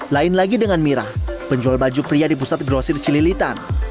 lain lagi dengan mira penjual baju pria di pusat krosir celilitan